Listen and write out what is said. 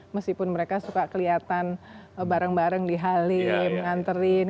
meskipun mereka suka kelihatan bareng bareng dihalim nganterin